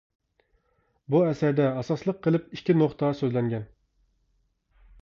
بۇ ئەسەردە ئاساسلىق قىلىپ ئىككى نۇقتا سۆزلەنگەن.